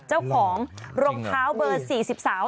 เจ้าของรองเท้าเบอร์๔๐สาว